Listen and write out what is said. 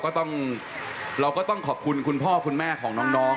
ก็ต้องเราก็ต้องขอบคุณคุณพ่อคุณแม่ของน้อง